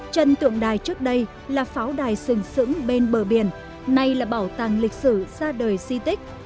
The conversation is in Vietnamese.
trần tượng đài trước đây là pháo đài sừng sững bên bờ biển nay là bảo tàng lịch sử ra đời di tích